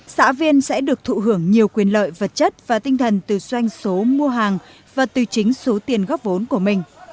xã viên sẽ được thụ hưởng nhiều quyền lợi vật chất và tinh thần từ doanh số mua hàng và từ chính số tiền góp vốn của mình